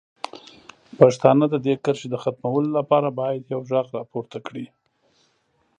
پښتانه د دې کرښې د ختمولو لپاره باید یو غږ راپورته کړي.